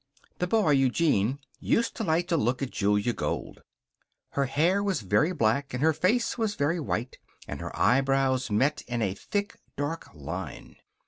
The boy, Eugene, used to like to look at Julia Gold. Her hair was very black and her face was very white, and her eyebrows met in a thick dark line.